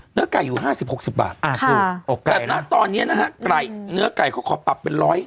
เนื้อไก่อยู่ห้าสิบหกสิบบาทค่ะแต่ตอนเนี้ยนะฮะไก่เนื้อไก่เขาขอปรับเป็นร้อย